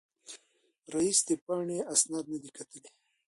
رییس د پاڼې اسناد نه دي کتلي.